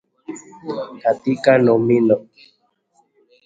katika nomino